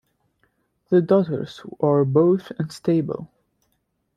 The daughters are both unstable.